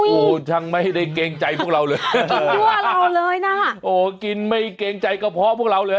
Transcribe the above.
โอ้โหช่างไม่ได้เกรงใจพวกเราเลยเอาเลยนะโอ้กินไม่เกรงใจกระเพาะพวกเราเลย